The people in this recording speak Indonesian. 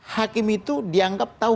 hakim itu dianggap tahu